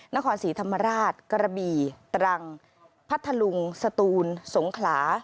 นครศรีธรรมราชกระบี่ตรังพัทธลุงสตูนสงขลา